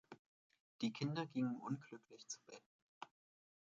Die Kinder gingen unglücklich zu Bett.